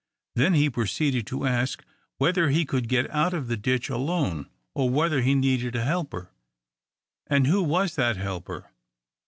Then he proceeded to ask, whether he could get out of the ditch alone, or whether he needed a helper, and who was that helper.